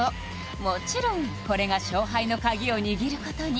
もちろんこれが勝敗の鍵を握ることに！